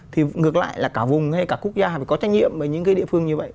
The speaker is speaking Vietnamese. thì ngược lại là cả vùng hay cả quốc gia phải có trách nhiệm với những cái địa phương như vậy